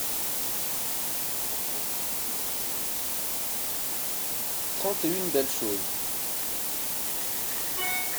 Trente et une belles choses.